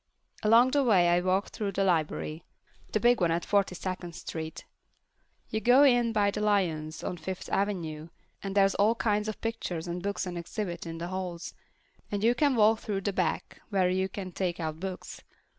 Along the way I walk through the library, the big one at Forty second Street. You go in by the lions on Fifth Avenue, and there's all kinds of pictures and books on exhibit in the halls, and you walk through to the back, where you can take out books.